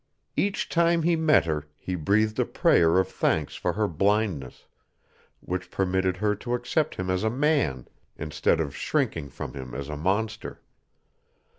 Each time he met her, he breathed a prayer of thanks for her blindness, which permitted her to accept him as a man instead of shrinking from him as a monster.